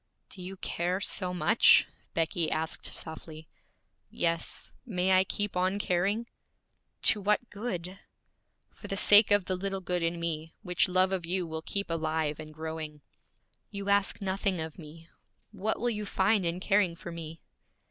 'Do you care so much?' Becky asked softly. 'Yes. May I keep on caring?' 'To what good?' 'For the sake of the little good in me, which love of you will keep alive and growing.' 'You ask nothing of me. What will you find in caring for me?'